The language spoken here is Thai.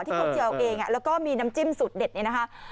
ที่เขาเจียวเองแล้วก็มีน้ำจิ้มสูตรเด็ดเนี่ยนะคะ